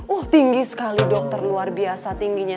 oh tinggi sekali dokter luar biasa tingginya